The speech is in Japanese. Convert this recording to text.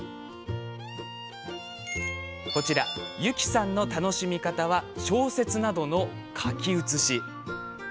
こちら、ゆきさんの楽しみ方は小説などの書き写し。